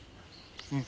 うん。